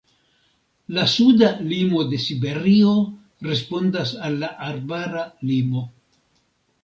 La suda limo de Siberio respondas al la arbara limo.